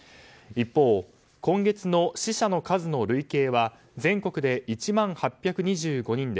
一方、今月の死者の数の累計は全国で１万８２５人で